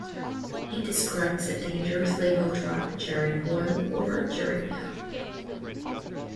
It describes a dangerous legal drug "Gerin Oil" or "Geriniol.